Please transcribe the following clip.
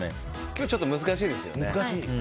今日ちょっと難しいですよね。